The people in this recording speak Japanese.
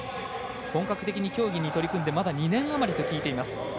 本格的に競技の取り組んでまもないと聞いています。